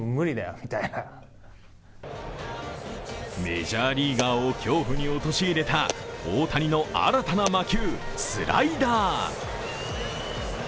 メジャーリーガーを恐怖に陥れた大谷の新たな魔球・スライダー。